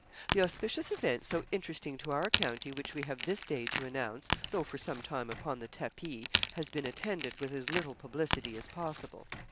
'The auspicious event so interesting to our county, which we have this day to announce, though for some time upon the tapis, has been attended with as little publicity as possible.